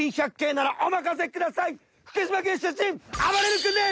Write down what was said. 福島県出身あばれる君です！